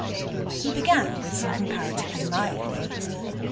He began with some comparatively mild things.